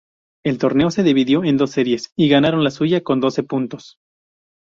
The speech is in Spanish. El torneo se dividió en dos series y ganaron la suya con doce puntos.